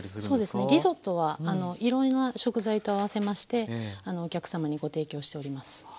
そうですねリゾットはいろんな食材と合わせましてお客様にご提供しております。